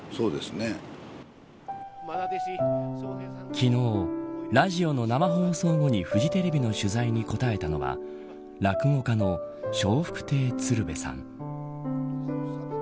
昨日、ラジオの生放送後にフジテレビの取材に答えたのは落語家の笑福亭鶴瓶さん。